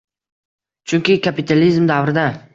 Chunki kapitalizm davrida